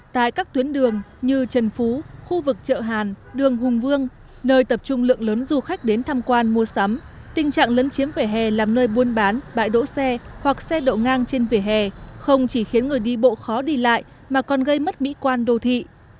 tại các tuyến đường như trần phú khu vực chợ hàn đường hùng vương nơi tập trung lượng lớn du khách đến tham quan mua sắm tình trạng lấn chiếm vỉa hè làm nơi buôn bán bãi đỗ xe hoặc xe đậu ngang trên vỉa hè không chỉ khiến người đi bộ khó đi lại mà còn gây mất mỹ quan đô thị